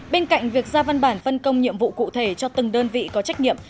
bên cạnh việc ra văn bản phân công nhiệm vụ cụ thể cho từng đơn vị có trách nhiệm